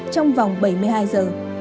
trong vòng bảy mươi hai giờ